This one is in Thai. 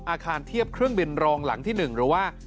อาคารเทียบเครื่องบินรองหลังที่๑หรือว่า